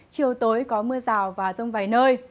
chiều tối có mưa rào và rông vài nơi